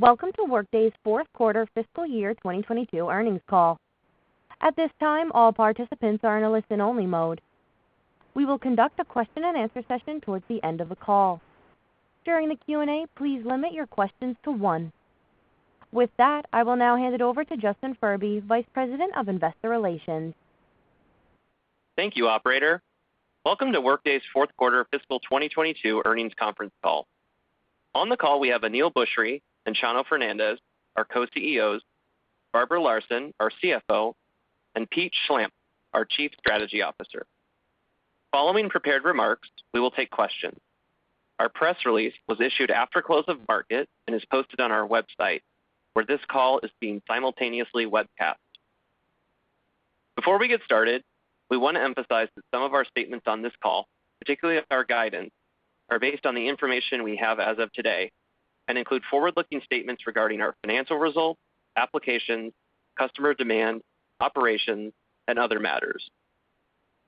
Welcome to Workday's Fourth Quarter Fiscal Year 2022 Earnings Call. At this time, all participants are in a listen-only mode. We will conduct a question and answer session towards the end of the call. During the Q&A, please limit your questions to one. With that, I will now hand it over to Justin Furby, Vice President of Investor Relations. Thank you, operator. Welcome to Workday's fourth quarter fiscal 2022 earnings conference call. On the call, we have Aneel Bhusri and Chano Fernandez, our co-CEOs, Barbara Larson, our CFO, and Pete Schlampp, our Chief Strategy Officer. Following prepared remarks, we will take questions. Our press release was issued after close of market and is posted on our website, where this call is being simultaneously webcast. Before we get started, we want to emphasize that some of our statements on this call, particularly our guidance, are based on the information we have as of today and include forward-looking statements regarding our financial results, applications, customer demand, operations, and other matters.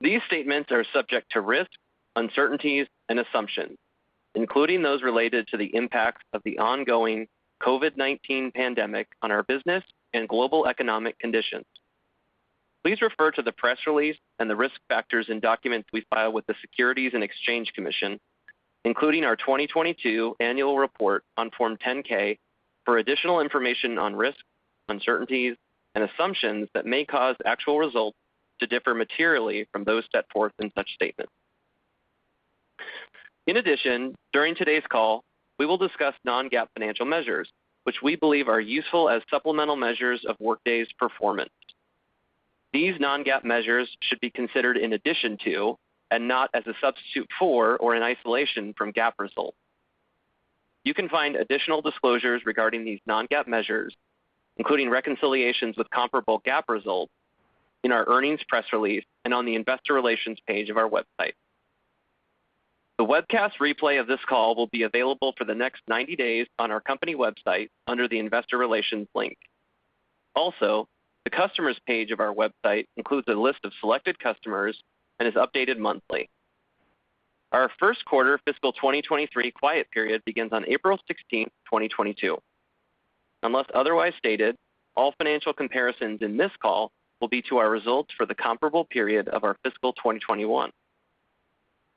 These statements are subject to risks, uncertainties, and assumptions, including those related to the impacts of the ongoing COVID-19 pandemic on our business and global economic conditions. Please refer to the press release and the risk factors in documents we file with the Securities and Exchange Commission, including our 2022 annual report on Form 10-K, for additional information on risks, uncertainties, and assumptions that may cause actual results to differ materially from those set forth in such statements. In addition, during today's call, we will discuss non-GAAP financial measures, which we believe are useful as supplemental measures of Workday's performance. These non-GAAP measures should be considered in addition to and not as a substitute for or in isolation from GAAP results. You can find additional disclosures regarding these non-GAAP measures, including reconciliations with comparable GAAP results, in our earnings press release and on the investor relations page of our website. The webcast replay of this call will be available for the next 90 days on our company website under the investor relations link. Also, the customers page of our website includes a list of selected customers and is updated monthly. Our first quarter fiscal 2023 quiet period begins on April 16th, 2022. Unless otherwise stated, all financial comparisons in this call will be to our results for the comparable period of our fiscal 2021.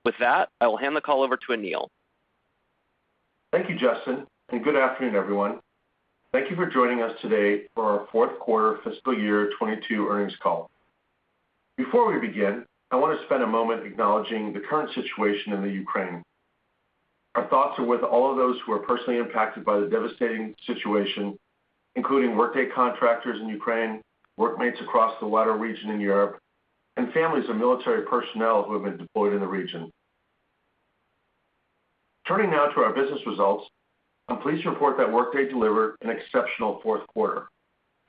With that, I will hand the call over to Aneel. Thank you, Justin, and good afternoon, everyone. Thank you for joining us today for our fourth quarter fiscal year 2022 earnings call. Before we begin, I want to spend a moment acknowledging the current situation in the Ukraine. Our thoughts are with all of those who are personally impacted by the devastating situation, including Workday contractors in Ukraine, workmates across the wider region in Europe, and families of military personnel who have been deployed in the region. Turning now to our business results, I'm pleased to report that Workday delivered an exceptional fourth quarter,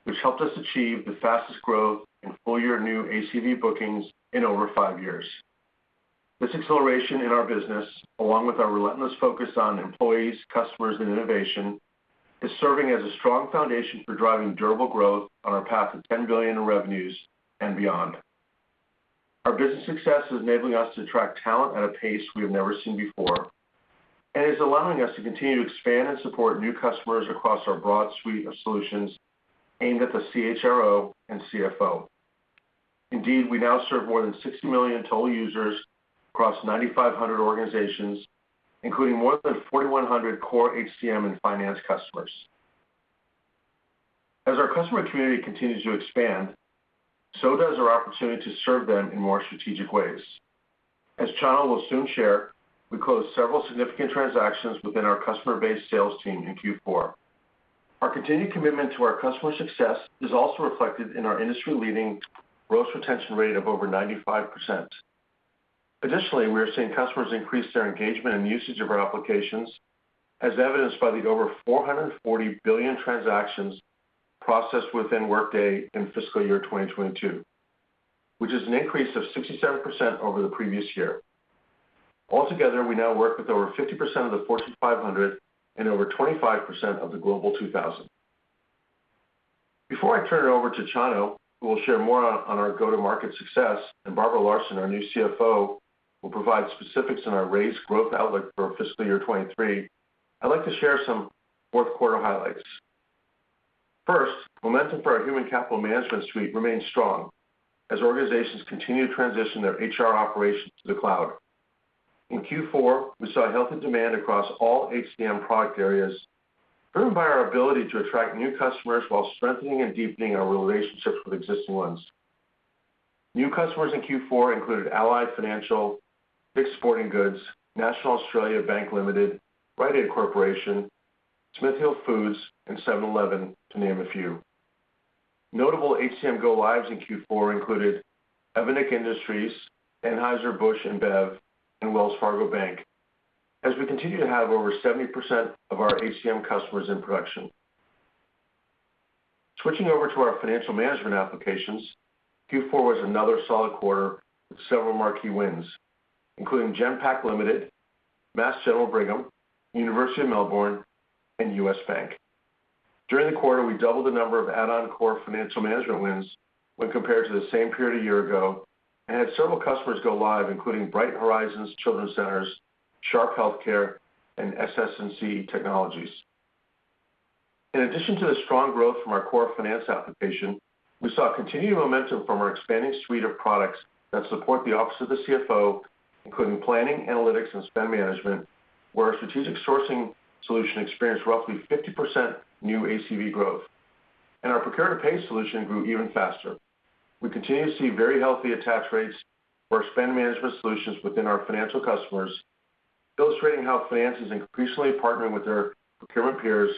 which helped us achieve the fastest growth in full-year new ACV bookings in over five years. This acceleration in our business, along with our relentless focus on employees, customers, and innovation, is serving as a strong foundation for driving durable growth on our Path to $10 billion in revenues and beyond. Our business success is enabling us to attract talent at a pace we have never seen before and is allowing us to continue to expand and support new customers across our broad suite of solutions aimed at the CHRO and CFO. Indeed, we now serve more than 60 million total users across 9,500 organizations, including more than 4,100 core HCM and finance customers. As our customer community continues to expand, so does our opportunity to serve them in more strategic ways. As Chano will soon share, we closed several significant transactions within our customer-based sales team in Q4. Our continued commitment to our customers' success is also reflected in our industry-leading gross retention rate of over 95%. Additionally, we are seeing customers increase their engagement and usage of our applications, as evidenced by the over 440 billion transactions processed within Workday in fiscal year 2022, which is an increase of 67% over the previous year. Altogether, we now work with over 50% of the Fortune 500 and over 25% of the Global 2000. Before I turn it over to Chano, who will share more on our go-to-market success, and Barbara Larson, our new CFO, will provide specifics on our raised growth outlook for fiscal year 2023, I'd like to share some fourth quarter highlights. First, momentum for our Human Capital Management suite remains strong as organizations continue to transition their HR operations to the cloud. In Q4, we saw healthy demand across all HCM product areas, driven by our ability to attract new customers while strengthening and deepening our relationships with existing ones. New customers in Q4 included Ally Financial, DICK'S Sporting Goods, National Australia Bank Limited, Rite Aid Corporation, Smithfield Foods, and 7-Eleven, to name a few. Notable HCM go-lives in Q4 included Evonik Industries, Anheuser-Busch InBev, and Wells Fargo Bank, as we continue to have over 70% of our HCM customers in production. Switching over to our financial management applications, Q4 was another solid quarter with several marquee wins, including Genpact Limited, Mass General Brigham, University of Melbourne, and U.S. Bank. During the quarter, we doubled the number of add-on core financial management wins when compared to the same period a year ago, and had several customers go live, including Bright Horizons Family Solutions, Sharp HealthCare, and SS&C Technologies. In addition to the strong growth from our core finance application, we saw continued momentum from our expanding suite of products that support the office of the CFO, including planning, analytics, and spend management, where our strategic sourcing solution experienced roughly 50% new ACV growth. Our procure-to-pay solution grew even faster. We continue to see very healthy attach rates for our spend management solutions within our financial customers, illustrating how finance is increasingly partnering with their procurement peers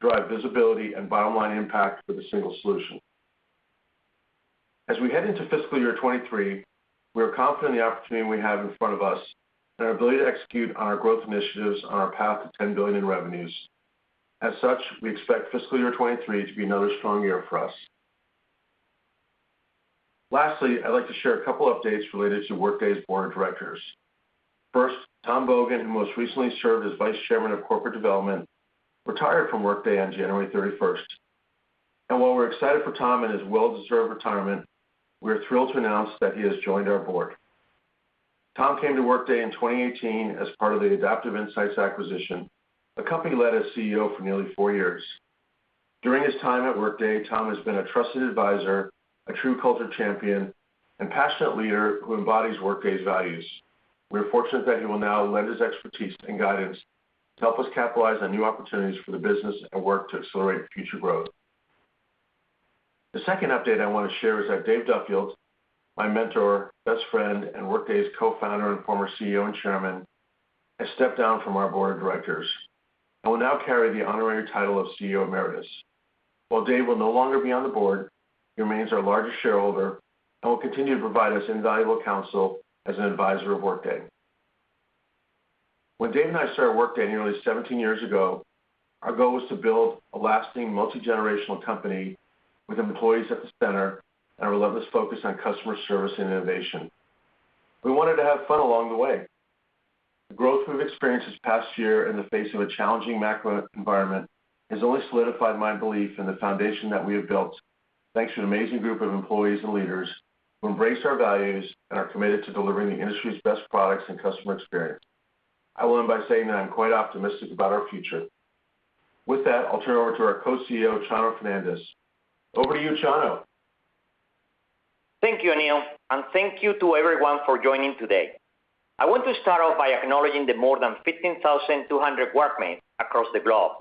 to drive visibility and bottom-line impact with a single solution. As we head into fiscal year 2023, we are confident in the opportunity we have in front of us, and our ability to execute on our growth initiatives on our Path to $10 billion in revenues. As such, we expect fiscal year 2023 to be another strong year for us. Lastly, I'd like to share a couple updates related to Workday's board of directors. First, Tom Bogan, who most recently served as Vice Chairman of Corporate Development, retired from Workday on January 31st. While we're excited for Tom in his well-deserved retirement, we're thrilled to announce that he has joined our board. Tom came to Workday in 2018 as part of the Adaptive Insights acquisition, a company he led as CEO for nearly four years. During his time at Workday, Tom has been a trusted advisor, a true culture champion, and passionate leader who embodies Workday's values. We are fortunate that he will now lend his expertise and guidance to help us capitalize on new opportunities for the business and work to accelerate future growth. The second update I wanna share is that Dave Duffield, my mentor, best friend, and Workday's co-founder and former CEO and Chairman, has stepped down from our board of directors and will now carry the honorary title of CEO Emeritus. While Dave will no longer be on the board, he remains our largest shareholder and will continue to provide us invaluable counsel as an advisor of Workday. When Dave and I started Workday nearly 17 years ago, our goal was to build a lasting multi-generational company with employees at the center and a relentless focus on customer service and innovation. We wanted to have fun along the way. The growth we've experienced this past year in the face of a challenging macro environment has only solidified my belief in the foundation that we have built thanks to an amazing group of employees and leaders who embrace our values and are committed to delivering the industry's best products and customer experience. I will end by saying that I'm quite optimistic about our future. With that, I'll turn it over to our Co-CEO, Chano Fernandez. Over to you, Chano. Thank you, Aneel, and thank you to everyone for joining today. I want to start off by acknowledging the more than 15,200 Workmates across the globe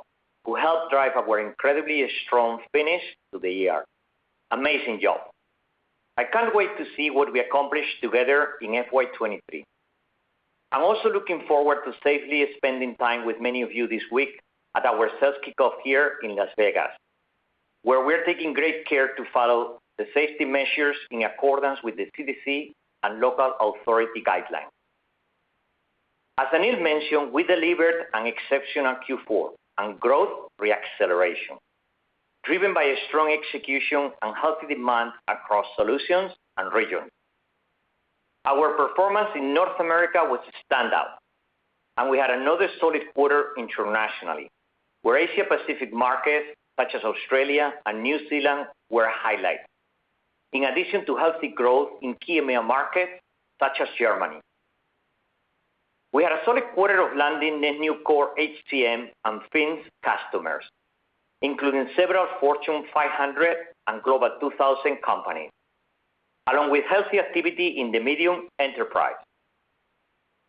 who helped drive our incredibly strong finish to the year. Amazing job. I can't wait to see what we accomplish together in FY 2023. I'm also looking forward to safely spending time with many of you this week at our sales kickoff here in Las Vegas, where we're taking great care to follow the safety measures in accordance with the CDC and local authority guidelines. As Aneel mentioned, we delivered an exceptional Q4 and growth reacceleration, driven by a strong execution and healthy demand across solutions and regions. Our performance in North America was standout, and we had another solid quarter internationally, where Asia-Pacific markets such as Australia and New Zealand were a highlight. In addition to healthy growth in key EMEA markets such as Germany, we had a solid quarter of landing net new core HCM and Fins customers, including several Fortune 500 and Global 2000 companies, along with healthy activity in the medium enterprise.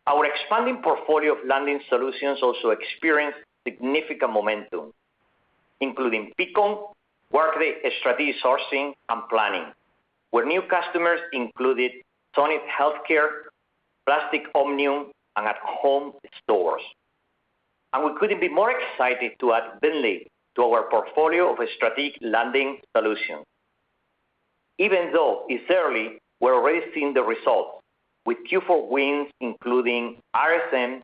Our expanding portfolio of landing solutions also experienced significant momentum, including Peakon, Workday Strategic Sourcing and Planning, where new customers included Sonic Healthcare, Plastic Omnium, and At Home Stores. We couldn't be more excited to add VNDLY to our portfolio of strategic landing solutions. Even though it's early, we're already seeing the results with Q4 wins, including RSM,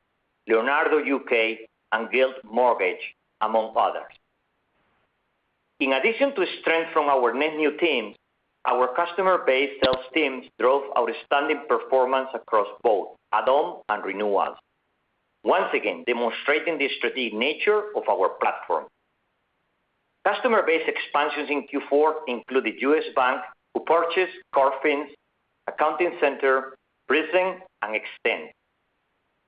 Leonardo UK, and Guild Mortgage, among others. In addition to strength from our net new teams, our customer-based sales teams drove outstanding performance across both add-on and renewals, once again demonstrating the strategic nature of our platform. Customer base expansions in Q4 included U.S. Bank, who purchased core Financials, Accounting Center, Prism, and Extend,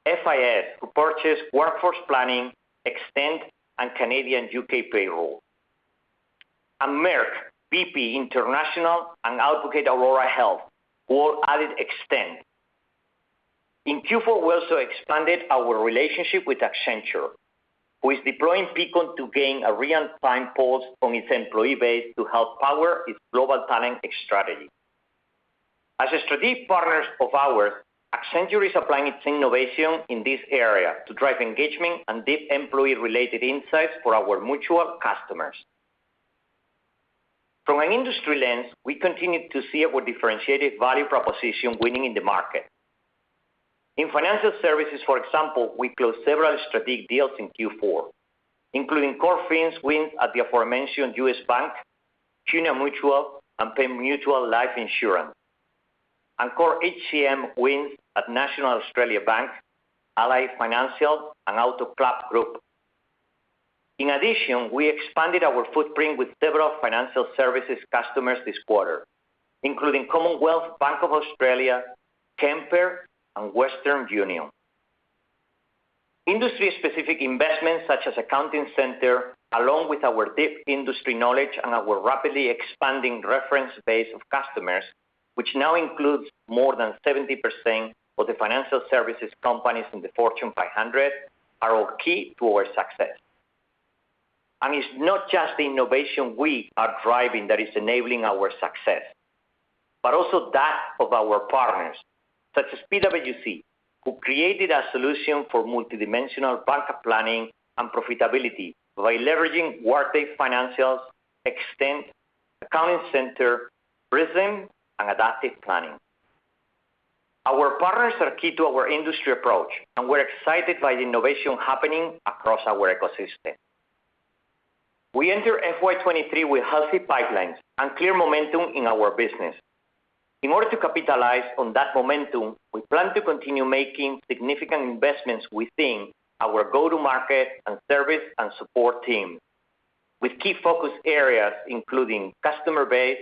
FIS, who purchased Workforce Planning, Extend, and Canadian, U.K. Payroll, and Merck, BP International, and Advocate Aurora Health, who all added Extend. In Q4, we also expanded our relationship with Accenture, who is deploying Peakon to gain a real-time pulse on its employee base to help power its global talent strategy. As a strategic partner of ours, Accenture is applying its innovation in this area to drive engagement and deep employee-related insights for our mutual customers. From an industry lens, we continue to see our differentiated value proposition winning in the market. In financial services, for example, we closed several strategic deals in Q4, including core Financials wins at the aforementioned U.S. Bank, CUNA Mutual, and Penn Mutual Life Insurance, and core HCM wins at National Australia Bank, Ally Financial, and Auto Club Group. In addition, we expanded our footprint with several financial services customers this quarter, including Commonwealth Bank of Australia, Kemper, and Western Union. Industry-specific investments such as Accounting Center, along with our deep industry knowledge and our rapidly expanding reference base of customers, which now includes more than 70% of the financial services companies in the Fortune 500, are key to our success. It's not just the innovation we are driving that is enabling our success, but also that of our partners, such as PwC, who created a solution for multidimensional bank planning and profitability by leveraging Workday Financials, Extend, Accounting Center, Prism, and Adaptive Planning. Our partners are key to our industry approach, and we're excited by the innovation happening across our ecosystem. We enter FY 2023 with healthy pipelines and clear momentum in our business. In order to capitalize on that momentum, we plan to continue making significant investments within our go-to-market and service and support team, with key focus areas including customer base,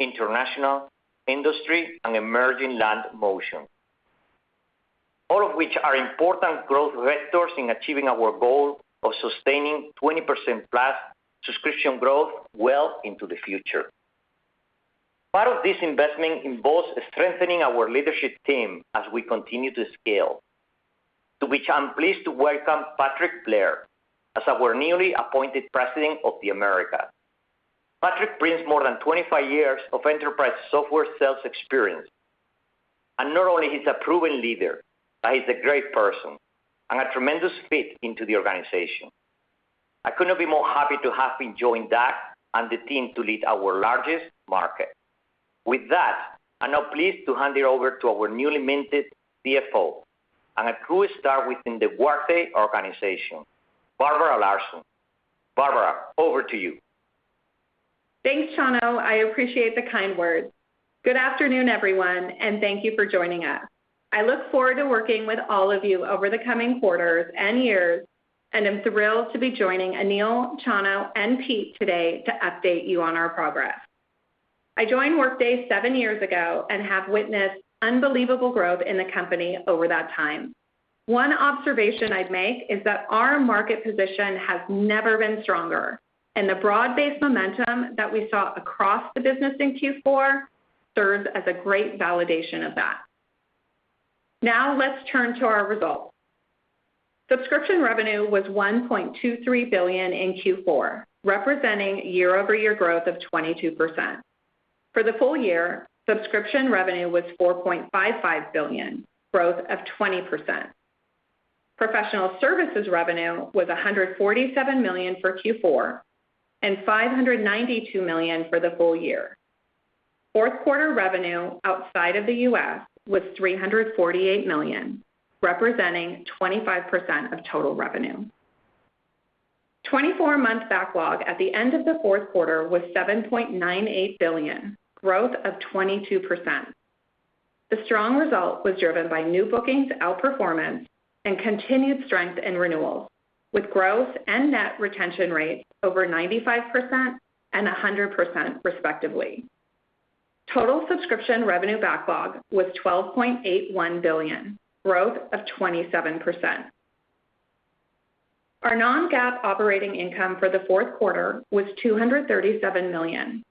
international, industry, and emerging land motion. All of which are important growth vectors in achieving our goal of sustaining 20%+ subscription growth well into the future. Part of this investment involves strengthening our leadership team as we continue to scale, to which I'm pleased to welcome Patrick Blair as our newly appointed President of the Americas. Patrick brings more than 25 years of enterprise software sales experience. Not only he's a proven leader, but he's a great person and a tremendous fit into the organization. I could not be more happy to have him join Doug and the team to lead our largest market. With that, I'm now pleased to hand it over to our newly minted CFO and a true star within the Workday organization, Barbara Larson. Barbara, over to you. Thanks, Chano. I appreciate the kind words. Good afternoon, everyone, and thank you for joining us. I look forward to working with all of you over the coming quarters and years, and I'm thrilled to be joining Aneel, Chano, and Pete today to update you on our progress. I joined Workday seven years ago and have witnessed unbelievable growth in the company over that time. One observation I'd make is that our market position has never been stronger, and the broad-based momentum that we saw across the business in Q4 serves as a great validation of that. Now let's turn to our results. Subscription Revenue was $1.23 billion in Q4, representing year-over-year growth 22% . For the full year, Subscription Revenue was $4.55 billion, 20% growth. Professional services revenue was $147 million for Q4 and $592 million for the full year. Fourth quarter revenue outside of the U.S. was $348 million, representing 25% of total revenue. 24-Month Backlog at the end of the fourth quarter was $7.98 billion, growth of 22%. The strong result was driven by new bookings outperformance and continued strength in renewals, with growth and net retention rates over 95% and 100% respectively. Total Subscription Revenue backlog was $12.81 billion, growth of 27%. Our non-GAAP operating income for the fourth quarter was $237 million,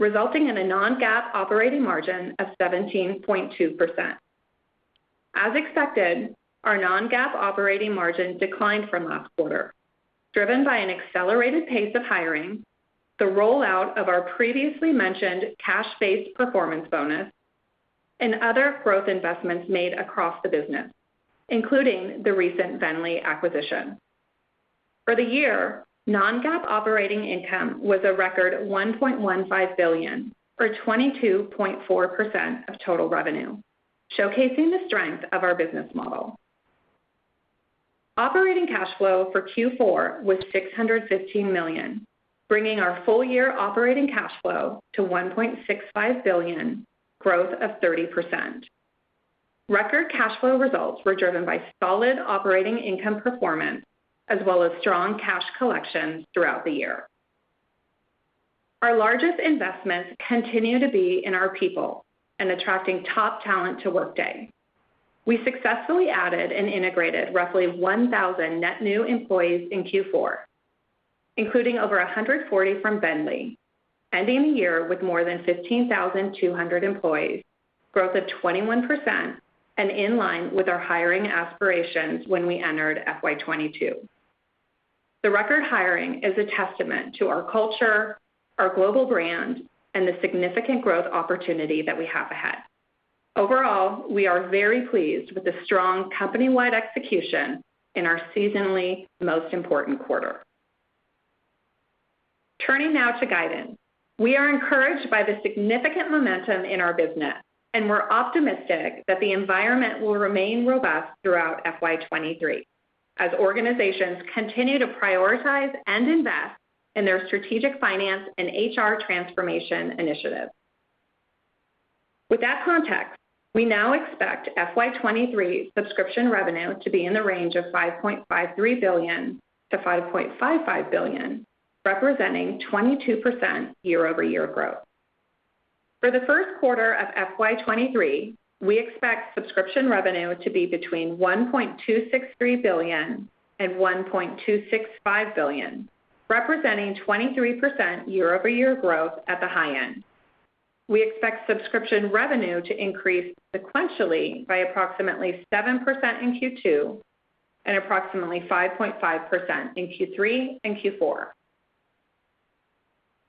resulting in a non-GAAP operating margin of 17.2%. As expected, our non-GAAP operating margin declined from last quarter, driven by an accelerated pace of hiring, the rollout of our previously mentioned cash-based performance bonus, and other growth investments made across the business, including the recent VNDLY acquisition. For the year, non-GAAP operating income was a record $1.15 billion or 22.4% of total revenue, showcasing the strength of our business model. Operating cash flow for Q4 was $615 million, bringing our full year operating cash flow to $1.65 billion, growth of 30%. Record cash flow results were driven by solid operating income performance as well as strong cash collections throughout the year. Our largest investments continue to be in our people and attracting top talent to Workday. We successfully added and integrated roughly 1,000 net new employees in Q4, including over 140 from VNDLY, ending the year with more than 15,200 employees, growth of 21% and in line with our hiring aspirations when we entered FY 2022. The record hiring is a testament to our culture, our global brand, and the significant growth opportunity that we have ahead. Overall, we are very pleased with the strong company-wide execution in our seasonally most important quarter. Turning now to guidance. We are encouraged by the significant momentum in our business, and we're optimistic that the environment will remain robust throughout FY 2023. As organizations continue to prioritize and invest in their strategic finance and HR transformation initiatives. With that context, we now expect FY 2023 Subscription Revenue to be in the range of $5.53 billion-$5.55 billion, representing 22% year-over-year growth. For the first quarter of FY 2023, we expect Subscription Revenue to be between $1.263 billion-$1.265 billion, representing 23% year-over-year growth at the high end. We expect Subscription Revenue to increase sequentially by approximately 7% in Q2 and approximately 5.5% in Q3 and Q4.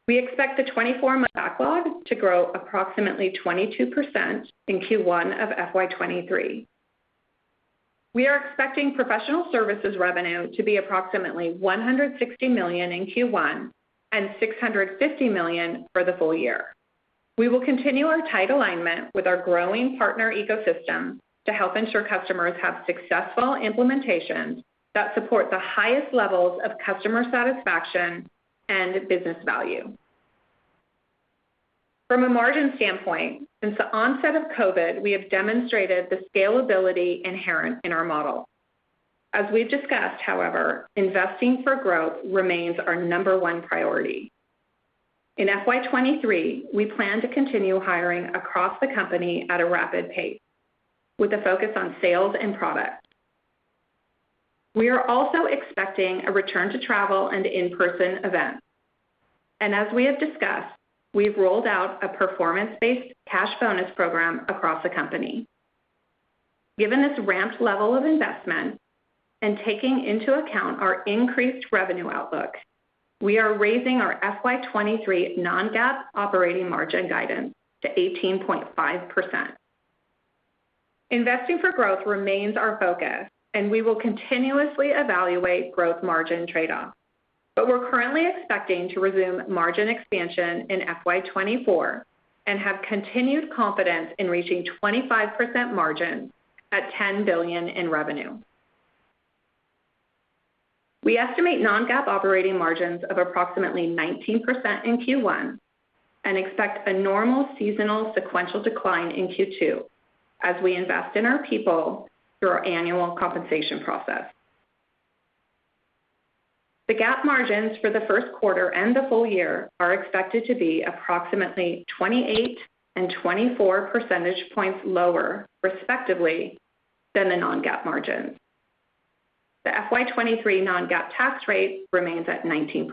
We expect the 24-Month Backlog to grow approximately 22% in Q1 of FY 2023. We are expecting professional services revenue to be approximately $160 million in Q1 and $650 million for the full year. We will continue our tight alignment with our growing partner ecosystem to help ensure customers have successful implementations that support the highest levels of customer satisfaction and business value. From a margin standpoint, since the onset of COVID, we have demonstrated the scalability inherent in our model. As we've discussed, however, investing for growth remains our number one priority. In FY 2023, we plan to continue hiring across the company at a rapid pace with a focus on sales and product. We are also expecting a return to travel and in-person events. As we have discussed, we've rolled out a performance-based cash bonus program across the company. Given this ramped level of investment and taking into account our increased revenue outlook, we are raising our FY 2023 non-GAAP operating margin guidance to 18.5%. Investing for growth remains our focus, and we will continuously evaluate growth margin trade-off. We're currently expecting to resume margin expansion in FY 2024 and have continued confidence in reaching 25% margin at $10 billion in revenue. We estimate non-GAAP operating margins of approximately 19% in Q1 and expect a normal seasonal sequential decline in Q2 as we invest in our people through our annual compensation process. The GAAP margins for the first quarter and the full year are expected to be approximately 28 and 24 percentage points lower, respectively, than the non-GAAP margins. The FY 2023 non-GAAP tax rate remains at 19%.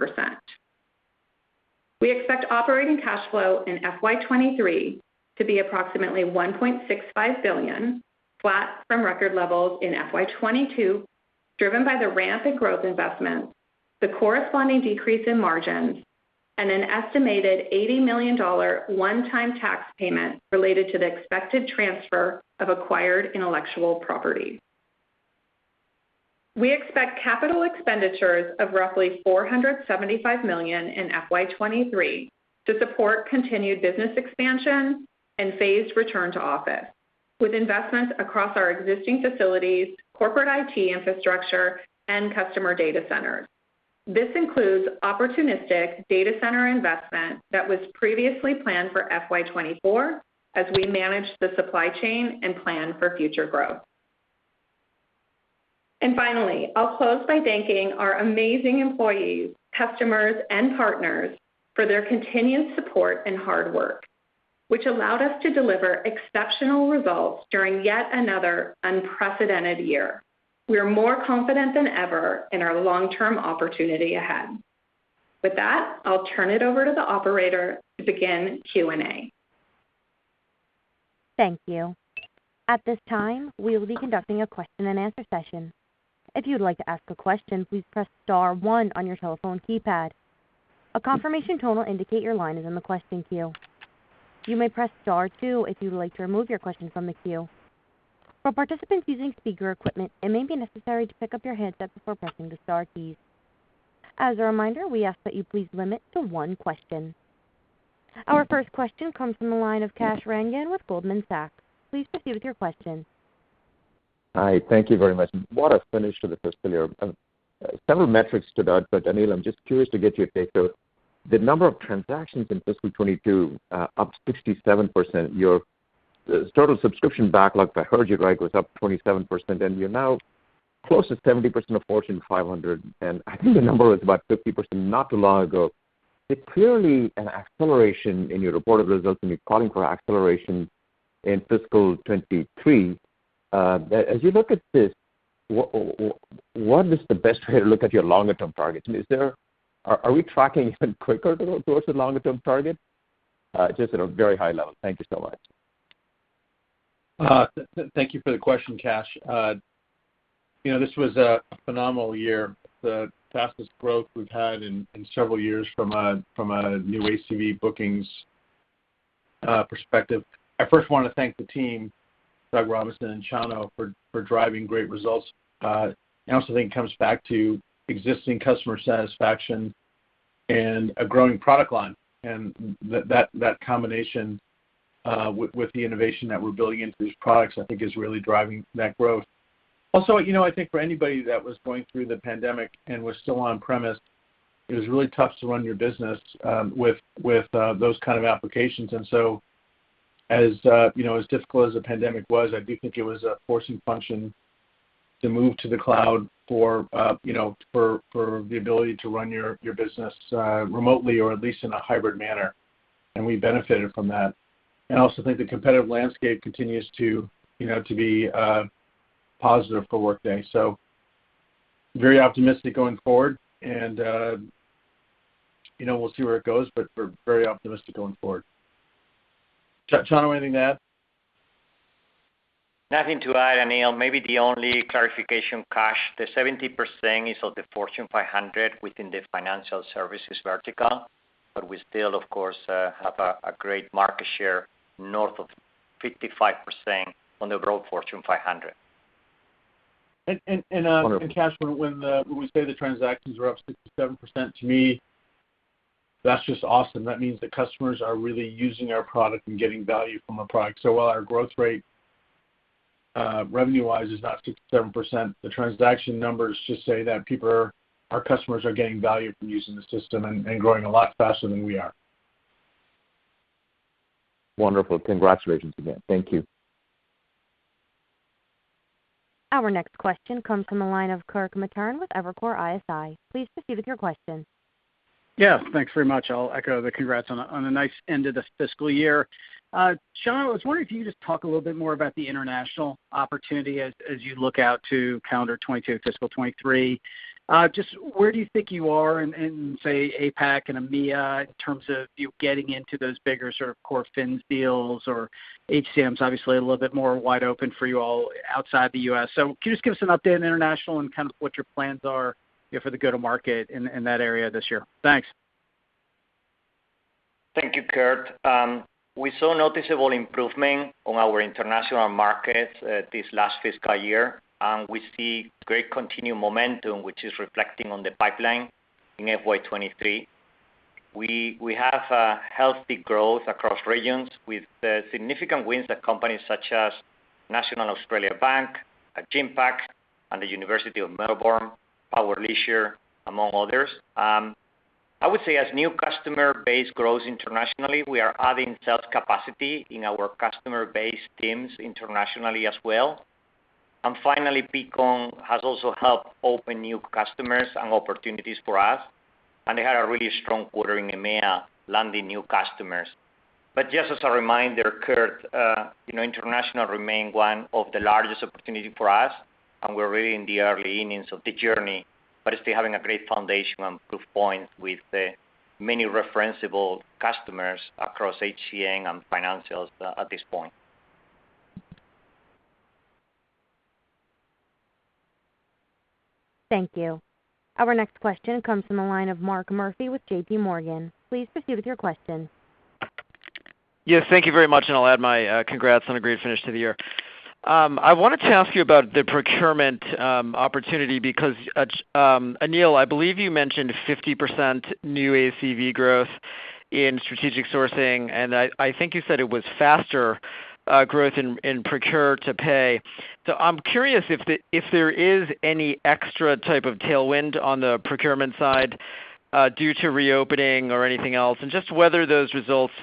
We expect operating cash flow in FY 2023 to be approximately $1.65 billion, flat from record levels in FY 2022, driven by the ramp in growth investments, the corresponding decrease in margins, and an estimated $80 million one-time tax payment related to the expected transfer of acquired intellectual property. We expect capital expenditures of roughly $475 million in FY 2023 to support continued business expansion and phased return to office with investments across our existing facilities, corporate IT infrastructure, and customer data centers. This includes opportunistic data center investment that was previously planned for FY 2024 as we manage the supply chain and plan for future growth. Finally, I'll close by thanking our amazing employees, customers, and partners for their continued support and hard work, which allowed us to deliver exceptional results during yet another unprecedented year. We are more confident than ever in our long-term opportunity ahead. With that, I'll turn it over to the operator to begin Q&A. Thank you. At this time, we will be conducting a question-and-answer session. If you would like to ask a question, please press star one on your telephone keypad. A confirmation tone will indicate your line is in the question queue. You may press star two if you would like to remove your question from the queue. For participants using speaker equipment, it may be necessary to pick up your handset before pressing the star keys. As a reminder, we ask that you please limit to one question. Our first question comes from the line of Kash Rangan with Goldman Sachs. Please proceed with your question. Hi. Thank you very much. What a finish to the fiscal year. Several metrics stood out, but Aneel, I'm just curious to get your take. The number of transactions in fiscal 2022 up 67%. Your total subscription backlog, if I heard you right, was up 27%, and you're now close to 70% of Fortune 500, and I think the number was about 50% not too long ago. It's clearly an acceleration in your reported results, and you're calling for acceleration in fiscal 2023. As you look at this, what is the best way to look at your longer-term targets? I mean, are we tracking even quicker towards the longer-term target? Just at a very high level. Thank you so much. Thank you for the question, Kash. You know, this was a phenomenal year, the fastest growth we've had in several years from a new ACV bookings perspective. I first wanna thank the team, Doug Robinson and Chano, for driving great results. I also think it comes back to existing customer satisfaction and a growing product line. That combination, with the innovation that we're building into these products, I think is really driving that growth. Also, you know, I think for anybody that was going through the pandemic and was still on premise, it was really tough to run your business with those kind of applications. As difficult as the pandemic was, I do think it was a forcing function to move to the cloud for, you know, for the ability to run your business remotely or at least in a hybrid manner, and we benefited from that. I also think the competitive landscape continues to, you know, to be positive for Workday. Very optimistic going forward and we'll see where it goes, but we're very optimistic going forward. Chano, anything to add? Nothing to add, Aneel. Maybe the only clarification, Kash, the 70% is of the Fortune 500 within the financial services vertical, but we still of course have a great market share north of 55% on the broad Fortune 500. And, and, uh- Wonderful. Kash, when we say the transactions are up 67%, to me, that's just awesome. That means the customers are really using our product and getting value from our product. While our growth rate, revenue-wise, is not 67%, the transaction numbers just say that our customers are getting value from using the system and growing a lot faster than we are. Wonderful. Congratulations again. Thank you. Our next question comes from the line of Kirk Materne with Evercore ISI. Please proceed with your question. Yeah, thanks very much. I'll echo the congrats on a nice end to this fiscal year. Chano, I was wondering if you could just talk a little bit more about the international opportunity as you look out to calendar 2022, fiscal 2023. Just where do you think you are in say, APAC and EMEA in terms of you getting into those bigger sort of core FINS deals or HCM is obviously a little bit more wide open for you all outside the U.S. Can you just give us an update on international and kind of what your plans are, you know, for the go-to-market in that area this year? Thanks. Thank you, Kirk. We saw noticeable improvement on our international markets this last fiscal year. We see great continued momentum, which is reflecting on the pipeline in FY 2023. We have a healthy growth across regions with significant wins at companies such as National Australia Bank, at Genpact, and the University of Melbourne, Power Leisure, among others. I would say as new customer base grows internationally, we are adding sales capacity in our customer base teams internationally as well. Finally, Peakon has also helped open new customers and opportunities for us, and they had a really strong quarter in EMEA, landing new customers. just as a reminder, Kirk, you know, international remain one of the largest opportunity for us, and we're really in the early innings of the journey, but still having a great foundation and proof point with the many Referenceable Customers across HCM and financials at this point. Thank you. Our next question comes from the line of Mark Murphy with JPMorgan. Please proceed with your question. Yes, thank you very much, and I'll add my congrats on a great finish to the year. I wanted to ask you about the procurement opportunity because, Aneel, I believe you mentioned 50% new ACV growth in strategic sourcing, and I think you said it was faster growth in procure to pay. I'm curious if there is any extra type of tailwind on the procurement side due to reopening or anything else, and just whether those results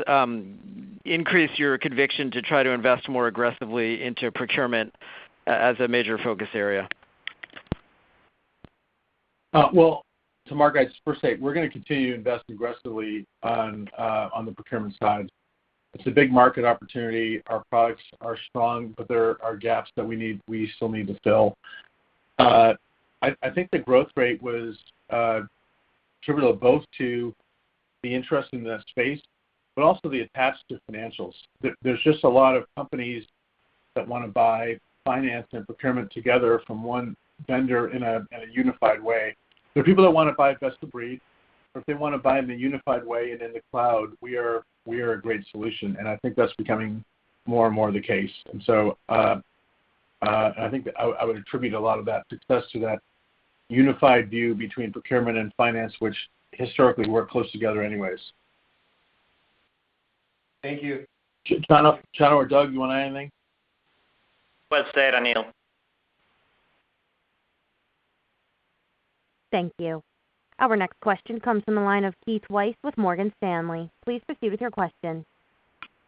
increase your conviction to try to invest more aggressively into procurement as a major focus area. Well, to Mark, I'd just first say we're gonna continue to invest aggressively on the procurement side. It's a big market opportunity. Our products are strong, but there are gaps that we still need to fill. I think the growth rate was attributable both to the interest in the space, but also the attach to financials. There's just a lot of companies that wanna buy finance and procurement together from one vendor in a unified way. There are people that wanna buy best of breed, but if they wanna buy in a unified way and in the cloud, we are a great solution, and I think that's becoming more and more the case. I would attribute a lot of that success to that unified view between procurement and finance, which historically work close together anyways. Thank you. Chano or Doug, you wanna add anything? Well said, Aneel. Thank you. Our next question comes from the line of Keith Weiss with Morgan Stanley. Please proceed with your question.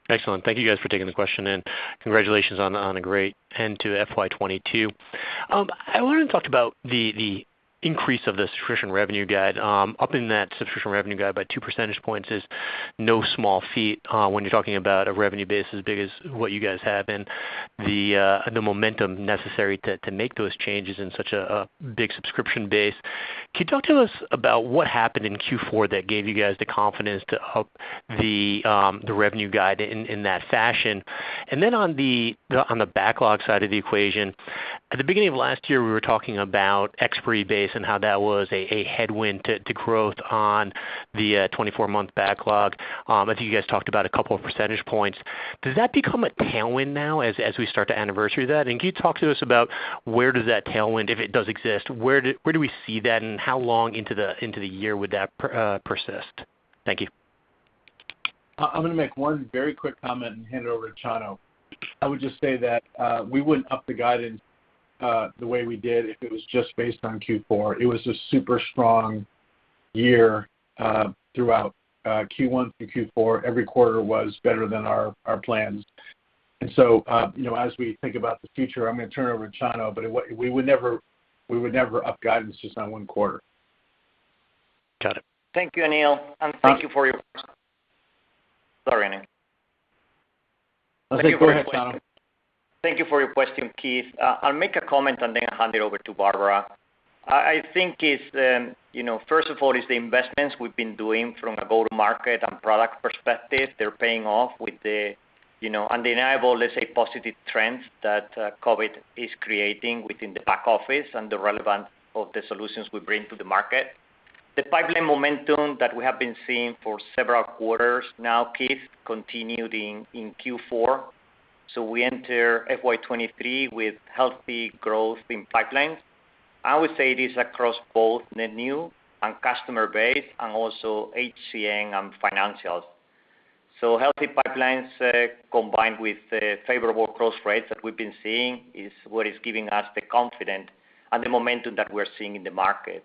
Excellent. Thank you guys for taking the question, and congratulations on a great end to FY 2022. I wanted to talk about the increase of the Subscription Revenue guide. Upping that Subscription Revenue guide by two percentage points is no small feat when you're talking about a revenue base as big as what you guys have and the momentum necessary to make those changes in such a big subscription base. Can you talk to us about what happened in Q4 that gave you guys the confidence to up the revenue guide in that fashion? Then on the backlog side of the equation, at the beginning of last year, we were talking about expiry base and how that was a headwind to growth on the 24-Month Backlog. I think you guys talked about a couple of percentage points. Does that become a tailwind now as we start to anniversary that? Can you talk to us about where does that tailwind, if it does exist, where do we see that, and how long into the year would that persist? Thank you. I'm gonna make one very quick comment and hand it over to Chano. I would just say that we wouldn't up the guidance the way we did if it was just based on Q4. It was a super strong year throughout Q1 through Q4. Every quarter was better than our plans. You know, as we think about the future, I'm gonna turn it over to Chano, but we would never up guidance just on one quarter. Got it. Thank you, Aneel. Sorry, Aneel. I think go ahead, Chano. Thank you for your question, Keith. I'll make a comment and then hand it over to Barbara. I think it's, you know, first of all, it's the investments we've been doing from a go-to-market and product perspective. They're paying off with the, you know, undeniable, let's say, positive trends that COVID is creating within the back office and the relevance of the solutions we bring to the market. The pipeline momentum that we have been seeing for several quarters now, Keith, continued in Q4, so we enter FY 2023 with healthy growth in pipelines. I would say it is across both net new and customer base and also HCM and financials. Healthy pipelines combined with the favorable FX rates that we've been seeing is what is giving us the confidence and the momentum that we're seeing in the market.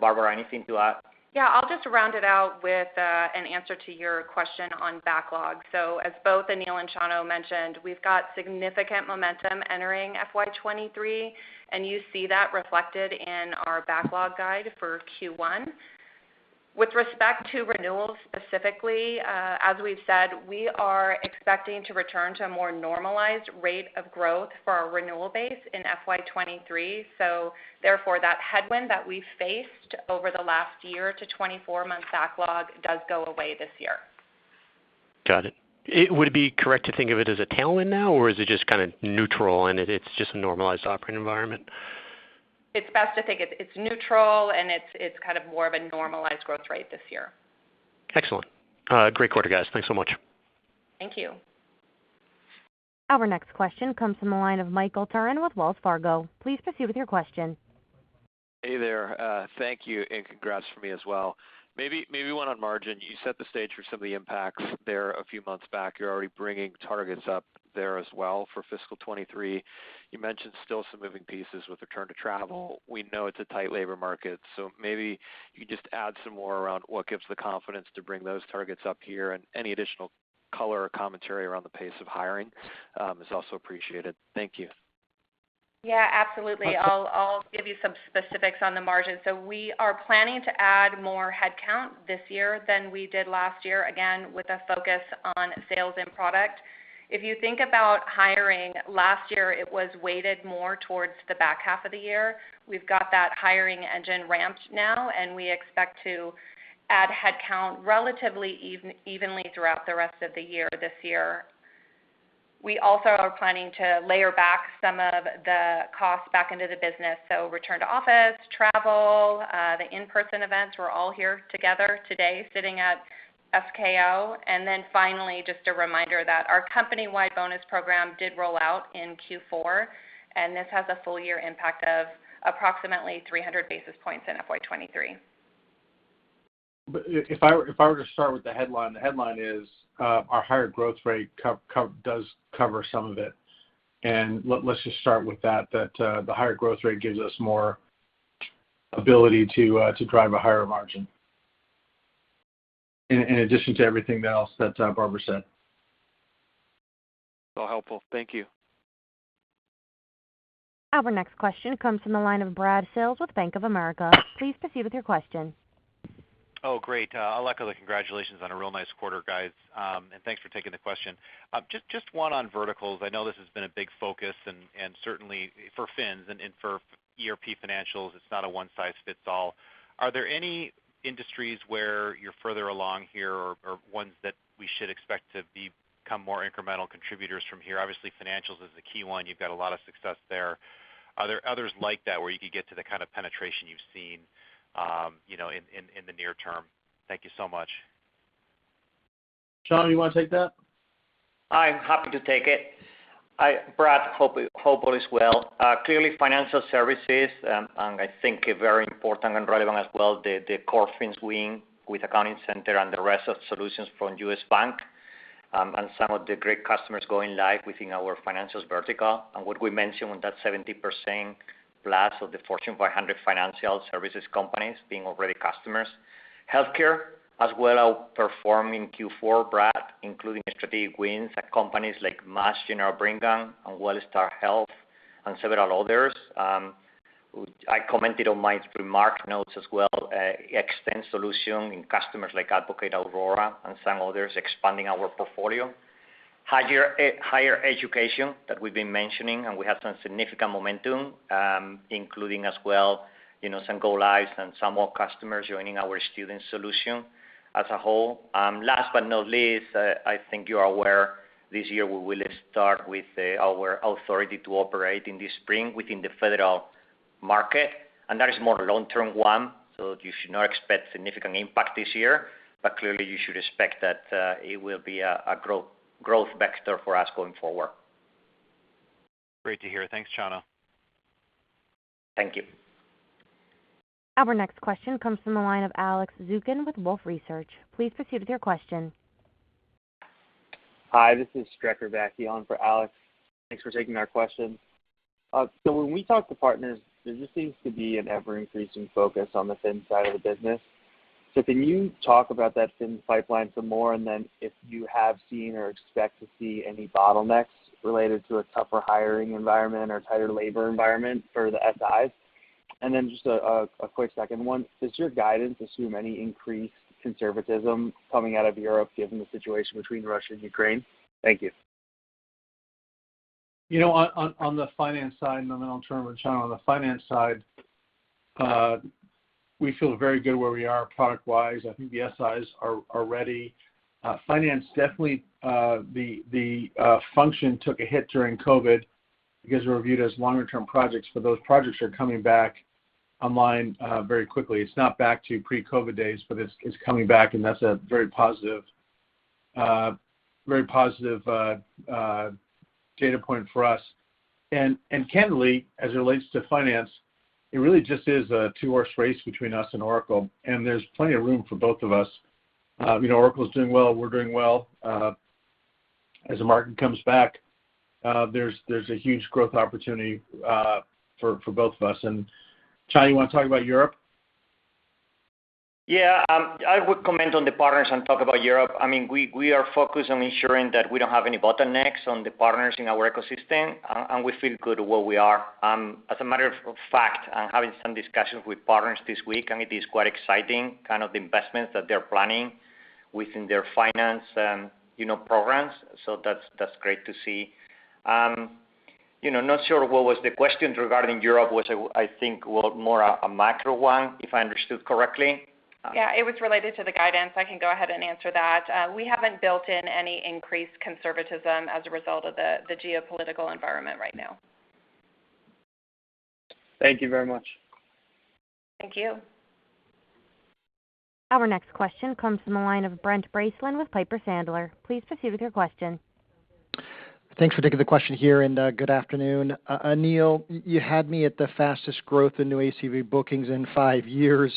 Barbara, anything to add? Yeah, I'll just round it out with an answer to your question on backlog. As both Aneel and Chano mentioned, we've got significant momentum entering FY 2023, and you see that reflected in our backlog guide for Q1. With respect to renewals specifically, as we've said, we are expecting to return to a more normalized rate of growth for our renewal base in FY 2023. Therefore, that headwind that we faced over the last year to 24 months backlog does go away this year. Got it. Would it be correct to think of it as a tailwind now, or is it just kind of neutral and it's just a normalized operating environment? It's best to think it's neutral, and it's kind of more of a normalized growth rate this year. Excellent. Great quarter, guys. Thanks so much. Thank you. Our next question comes from the line of Michael Turrin with Wells Fargo. Please proceed with your question. Hey there. Thank you, and congrats from me as well. Maybe one on margin. You set the stage for some of the impacts there a few months back. You're already bringing targets up there as well for fiscal 2023. You mentioned still some moving pieces with return to travel. We know it's a tight labor market, so maybe you just add some more around what gives the confidence to bring those targets up here and any additional color or commentary around the pace of hiring is also appreciated. Thank you. Yeah, absolutely. I'll give you some specifics on the margin. We are planning to add more headcount this year than we did last year, again, with a focus on sales and product. If you think about hiring, last year it was weighted more towards the back half of the year. We've got that hiring engine ramped now, and we expect to add headcount relatively evenly throughout the rest of the year this year. We also are planning to layer back some of the costs back into the business. Return to office, travel, the in-person events. We're all here together today sitting at SKO. Finally, just a reminder that our company-wide bonus program did roll out in Q4, and this has a full year impact of approximately 300 basis points in FY 2023. If I were to start with the headline, the headline is, our higher growth rate does cover some of it. Let's just start with that, the higher growth rate gives us more ability to drive a higher margin. In addition to everything else that Barbara said. It's all helpful. Thank you. Our next question comes from the line of Brad Sills with Bank of America. Please proceed with your question. Oh, great. I'll echo the congratulations on a real nice quarter, guys. Thanks for taking the question. Just one on verticals. I know this has been a big focus and certainly for Fins and for ERP financials, it's not a one size fits all. Are there any industries where you're further along here or ones that we should expect to become more incremental contributors from here? Obviously, financials is the key one. You've got a lot of success there. Are there others like that where you could get to the kind of penetration you've seen, you know, in the near term? Thank you so much. Chano, you wanna take that? I'm happy to take it. Brad, hope all is well. Clearly financial services, and I think a very important and relevant as well, the core Fins wing with Accounting Center and the rest of solutions from U.S. Bank, and some of the great customers going live within our financials vertical. What we mentioned with that 70%+ of the Fortune 500 financial services companies being already customers. Healthcare as well outperformed in Q4, Brad, including strategic wins at companies like Mass General Brigham and Wellstar Health and several others. I commented on my remarks notes as well, Extend solution in customers like Advocate Aurora Health and some others expanding our portfolio. Higher education that we've been mentioning, and we have some significant momentum, including as well, you know, some go lives and some more customers joining our student solution as a whole. Last but not least, I think you are aware this year we will start with our authority to operate in the spring within the federal market, and that is a more long-term one, so you should not expect significant impact this year. Clearly, you should expect that it will be a growth vector for us going forward. Great to hear. Thanks, Chano. Thank you. Our next question comes from the line of Alex Zukin with Wolfe Research. Please proceed with your question. Hi, this is Strecker Backe on for Alex. Thanks for taking our question. When we talk to partners, there just seems to be an ever-increasing focus on the Fins side of the business. Can you talk about that Fins pipeline some more, and then if you have seen or expect to see any bottlenecks related to a tougher hiring environment or tighter labor environment for the SIs? Just a quick second one. Does your guidance assume any increased conservatism coming out of Europe given the situation between Russia and Ukraine? Thank you. You know, on the finance side, and then I'll turn over to Chano. On the finance side, we feel very good where we are product-wise. I think the SIs are ready. Finance definitely, the function took a hit during COVID because they were viewed as longer term projects, but those projects are coming back online very quickly. It's not back to pre-COVID days, but it's coming back, and that's a very positive data point for us. Candidly, as it relates to finance, it really just is a two-horse race between us and Oracle, and there's plenty of room for both of us. You know, Oracle's doing well. We're doing well. As the market comes back, there's a huge growth opportunity for both of us. Chano, you wanna talk about Europe? Yeah. I would comment on the partners and talk about Europe. I mean, we are focused on ensuring that we don't have any bottlenecks on the partners in our ecosystem, and we feel good where we are. As a matter of fact, I'm having some discussions with partners this week, and it is quite exciting kind of the investments that they're planning within their finance and, you know, programs. So that's great to see. You know, not sure what was the question regarding Europe, which I think was more a macro one, if I understood correctly. Yeah, it was related to the guidance. I can go ahead and answer that. We haven't built in any increased conservatism as a result of the geopolitical environment right now. Thank you very much. Thank you. Our next question comes from the line of Brent Bracelin with Piper Sandler. Please proceed with your question. Thanks for taking the question here. Good afternoon. Aneel, you had me at the fastest growth in new ACV bookings in five years.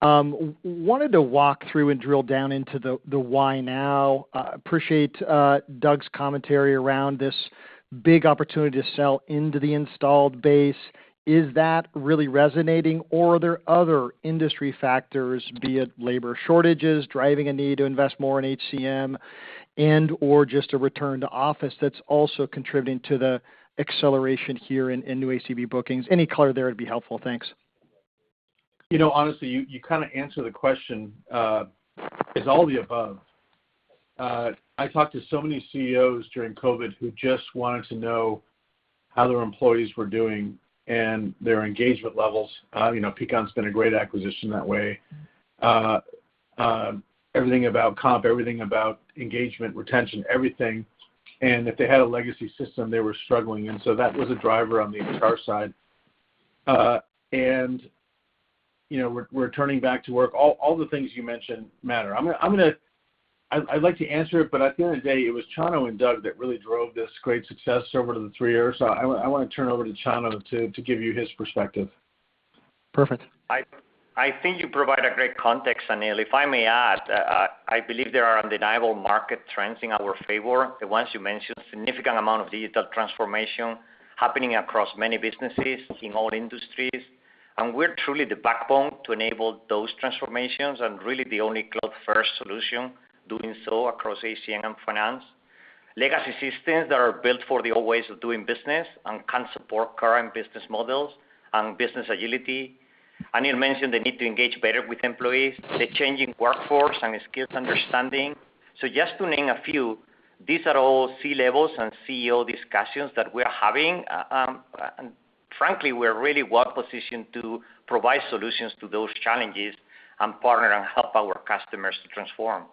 Wanted to walk through and drill down into the why now. Appreciate Doug's commentary around this big opportunity to sell into the installed base. Is that really resonating, or are there other industry factors, be it labor shortages, driving a need to invest more in HCM and/or just a return to office that's also contributing to the acceleration here in new ACV bookings? Any color there would be helpful. Thanks. You know, honestly, you kinda answered the question. It's all of the above. I talked to so many CEOs during COVID who just wanted to know how their employees were doing and their engagement levels. You know, Peakon's been a great acquisition that way. Everything about comp, everything about engagement, retention, everything. If they had a legacy system, they were struggling. So that was a driver on the HR side. You know, we're turning back to work. All the things you mentioned matter. I'd like to answer it, but at the end of the day, it was Chano and Doug that really drove this great success over the three years. I wanna turn it over to Chano to give you his perspective. Perfect. I think you provide a great context, Aneel. If I may add, I believe there are undeniable market trends in our favor, the ones you mentioned, significant amount of digital transformation happening across many businesses in all industries. We're truly the backbone to enable those transformations and really the only cloud-first solution doing so across HCM and finance. Legacy systems that are built for the old ways of doing business and cannot support current business models and business agility. Aneel mentioned the need to engage better with employees, the changing workforce and skills understanding. Just to name a few, these are all C-level and CEO discussions that we are having. Frankly, we're really well-positioned to provide solutions to those challenges and partner and help our customers to transform.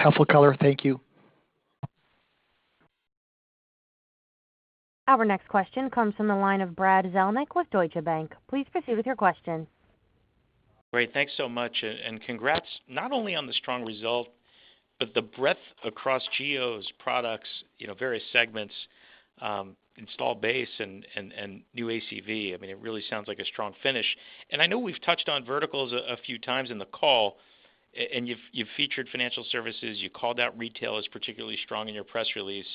Helpful color. Thank you. Our next question comes from the line of Brad Zelnick with Deutsche Bank. Please proceed with your question. Great. Thanks so much. Congrats not only on the strong result, but the breadth across Geos, products, you know, various segments, installed base and new ACV. I mean, it really sounds like a strong finish. I know we've touched on verticals a few times in the call, and you've featured financial services, you called out retail as particularly strong in your press release.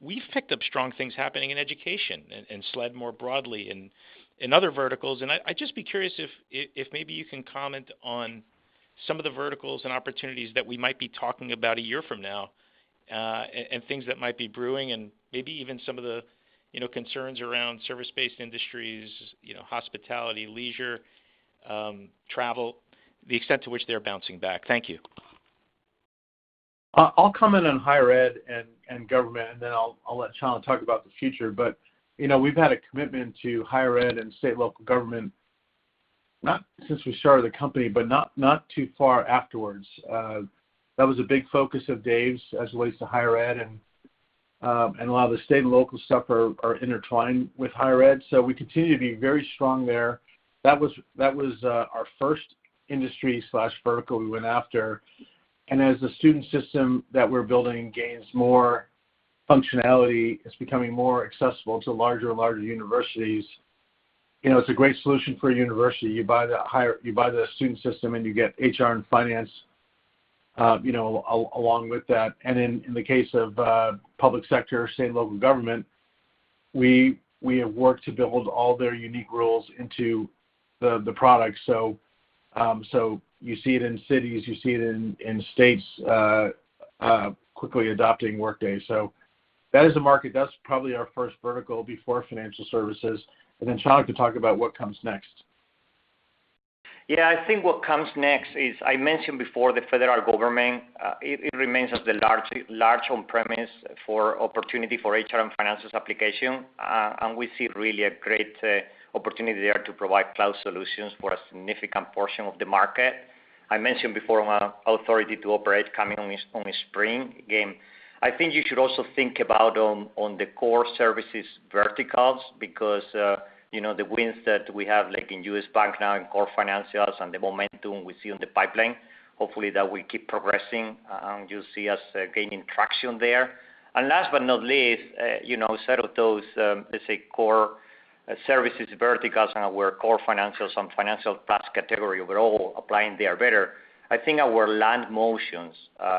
We've picked up strong things happening in education and SLED more broadly in other verticals. I'd just be curious if maybe you can comment on some of the verticals and opportunities that we might be talking about a year from now, and things that might be brewing and maybe even some of the, you know, concerns around service-based industries, you know, hospitality, leisure, travel, the extent to which they're bouncing back. Thank you. I'll comment on higher ed and government, and then I'll let Chano talk about the future. You know, we've had a commitment to higher ed and state and local government, not since we started the company, but not too far afterwards. That was a big focus of Dave's as it relates to higher ed, and a lot of the state and local stuff are intertwined with higher ed. We continue to be very strong there. That was our first industry/vertical we went after. As the student system that we're building gains more functionality, it's becoming more accessible to larger and larger universities. You know, it's a great solution for a university. You buy the student system, and you get HR and finance, you know, along with that. In the case of public sector, state and local government, we have worked to build all their unique roles into the product. You see it in cities, you see it in states quickly adopting Workday. That is a market. That's probably our first vertical before financial services. Then Chano can talk about what comes next. Yeah. I think what comes next is I mentioned before the federal government. It remains as the largest on-premise opportunity for HR and finance applications. We see really a great opportunity there to provide cloud solutions for a significant portion of the market. I mentioned before authority to operate coming in spring. Again, I think you should also think about the core services verticals because you know the wins that we have, like in U.S. Bank now in core financials and the momentum we see on the pipeline. Hopefully that will keep progressing, and you'll see us gaining traction there. Last but not least, you know, outside of those, let's say core services verticals and our core financials and financials class category overall applying there better, I think our land motions,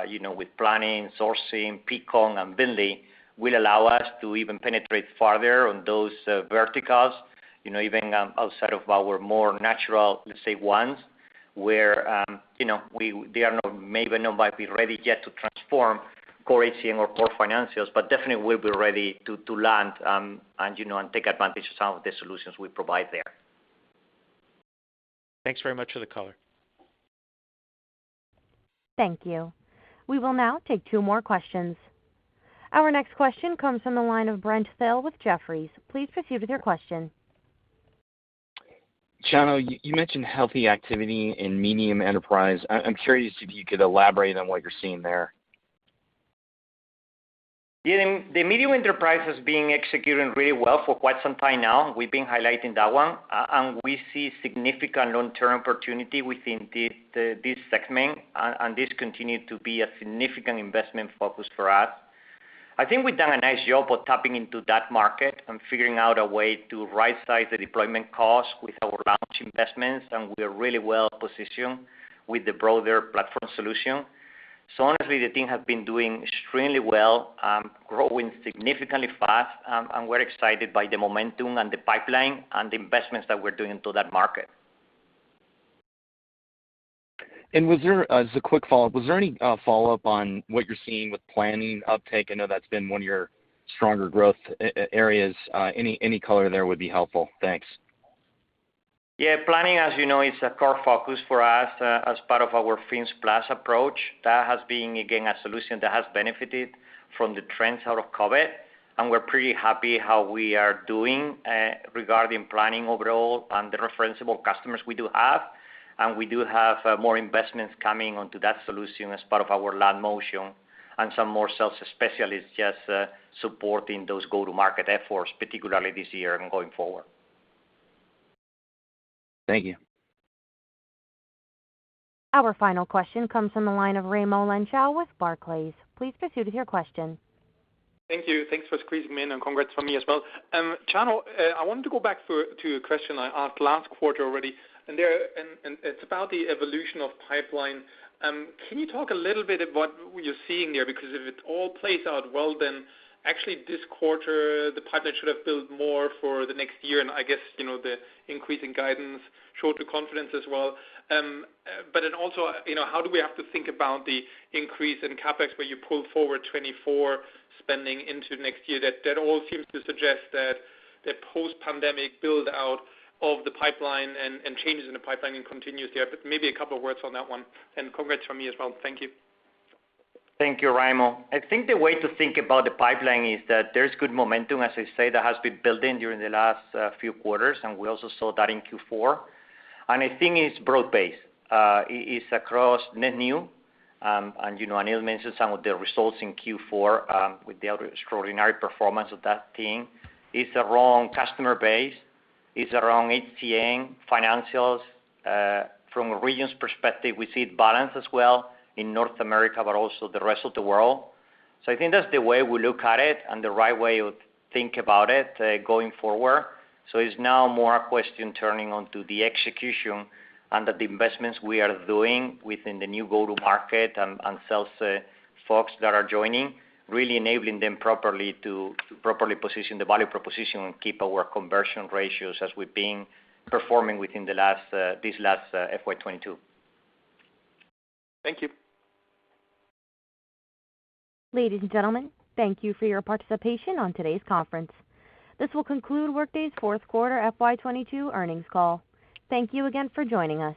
you know, with planning, sourcing, Peakon and VNDLY will allow us to even penetrate farther on those, verticals, you know, even outside of our more natural, let's say, ones where, you know, they are not ready yet to transform core HCM or core financials, but definitely will be ready to land and take advantage of some of the solutions we provide there. Thanks very much for the color. Thank you. We will now take two more questions. Our next question comes from the line of Brent Thill with Jefferies. Please proceed with your question. Chano, you mentioned healthy activity in medium enterprise. I'm curious if you could elaborate on what you're seeing there. Yeah. The medium enterprise has been executing really well for quite some time now. We've been highlighting that one. We see significant long-term opportunity within this segment. This continued to be a significant investment focus for us. I think we've done a nice job of tapping into that market and figuring out a way to right-size the deployment costs with our launch investments, and we are really well positioned with the broader platform solution. Honestly, the team have been doing extremely well, growing significantly fast. We're excited by the momentum and the pipeline and the investments that we're doing into that market. As a quick follow-up, was there any follow-up on what you're seeing with planning uptake? I know that's been one of your stronger growth areas. Any color there would be helpful. Thanks. Yeah. Planning, as you know, is a core focus for us as part of our FINS+ approach. That has been, again, a solution that has benefited from the trends out of COVID, and we're pretty happy how we are doing regarding planning overall and the Referenceable Customers we do have. We do have more investments coming onto that solution as part of our land motion and some more sales specialists just supporting those go-to-market efforts, particularly this year and going forward. Thank you. Our final question comes from the line of Raimo Lenschow with Barclays. Please proceed with your question. Thank you. Thanks for squeezing me in, and congrats from me as well. Chano, I wanted to go back to a question I asked last quarter already, and it's about the evolution of pipeline. Can you talk a little bit about what you're seeing there? Because if it all plays out well, then actually this quarter the pipeline should have built more for the next year, and I guess, you know, the increase in guidance showed the confidence as well. Then also, you know, how do we have to think about the increase in CapEx where you pulled forward 24 spending into next year? That all seems to suggest that the post-pandemic build-out of the pipeline and changes in the pipeline continues there. Maybe a couple of words on that one. Congrats from me as well. Thank you. Thank you, Raimo. I think the way to think about the pipeline is that there's good momentum, as I say, that has been building during the last few quarters, and we also saw that in Q4. I think it's broad-based. It is across net new. You know, Aneel mentioned some of the results in Q4 with the extraordinary performance of that team. It's around customer base. It's around HCM financials. From a regions perspective, we see it balanced as well in North America, but also the rest of the world. I think that's the way we look at it and the right way to think about it going forward. It's now more a question turning on to the execution and that the investments we are doing within the new go-to-market and sales folks that are joining, really enabling them properly to properly position the value proposition and keep our conversion ratios as we've been performing within this last FY 2022. Thank you. Ladies and gentlemen, thank you for your participation on today's conference. This will conclude Workday's fourth quarter FY 2022 earnings call. Thank you again for joining us.